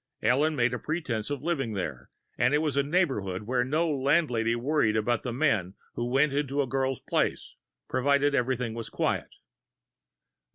Ellen made a pretense of living there, and it was a neighborhood where no landlady worried about the men who went to a girl's place, provided everything was quiet.